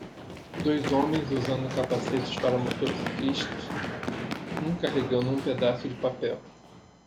Dois homens usando capacetes para motociclistas? um carregando um pedaço de papel.